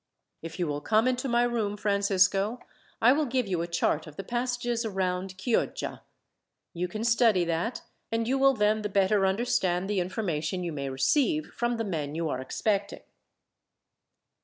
"If you will come into my room, Francisco, I will give you a chart of the passages around Chioggia. You can study that, and you will then the better understand the information you may receive, from the men you are expecting."